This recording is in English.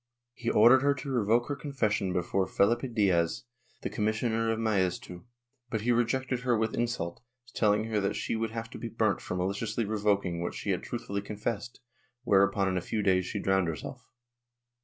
He ordered her to revoke her confession before Phelipe Diaz, the commissioner of Maeztu, but he rejected her with insult, telling her that she would have to be burnt for maliciously revoking what she had truthfully confessed, whereupon in a few days she drowned herself.